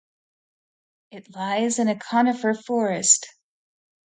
It lies in a conifer forest.